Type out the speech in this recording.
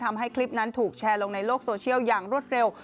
ทำให้คลิปนั้นถูกแชร์ลงในโลกโซเชียลอย่างรวดเร็ว